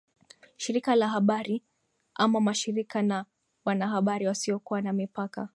shirika la habari ama mashirika na wanahabari wasiokuwa na mipaka